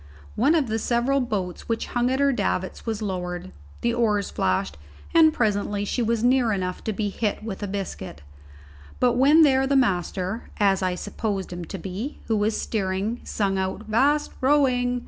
One of the several boats which hung at her davits was lowered, the oars flashed, and presently she was near enough to be hit with a biscuit; but when there the master, as I supposed him to be, who was steering, sung out, "'Vast rowing!"